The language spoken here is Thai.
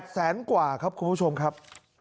แสนกว่าครับคุณผู้ชมครับ